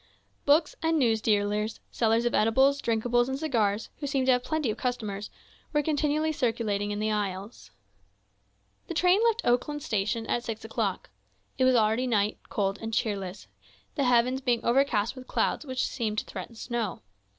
Book and news dealers, sellers of edibles, drinkables, and cigars, who seemed to have plenty of customers, were continually circulating in the aisles. The train left Oakland station at six o'clock. It was already night, cold and cheerless, the heavens being overcast with clouds which seemed to threaten snow.